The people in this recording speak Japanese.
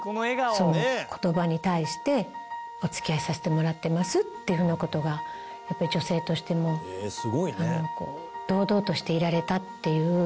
「お付き合いさせてもらってます」っていうふうな事がやっぱり女性としても堂々としていられたっていう。